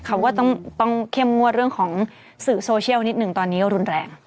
เขาก็ต้องเข้มงวดเรื่องของสื่อโซเชียลนิดหนึ่งตอนนี้ก็รุนแรง